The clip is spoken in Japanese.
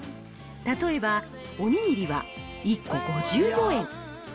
例えば、お握りは１個５４円。